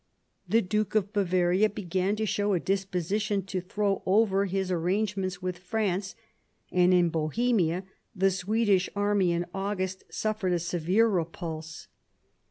The Duke of Bavaria began to show a disposition to throw over his arrangements with France, and in Bohemia the Swedish army in August suffered a severe repulse.